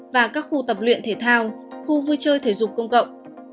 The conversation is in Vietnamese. và các khu tập luyện thể thao khu vui chơi thể dục công cộng